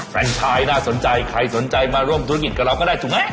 แฟนชายน่าสนใจใครสนใจมาร่วมธุรกิจกับเราก็ได้ถูกไหม